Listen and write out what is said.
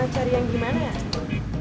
cari yang gimana ya